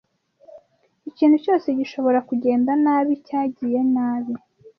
Ikintu cyose gishobora kugenda nabi cyagiye nabi.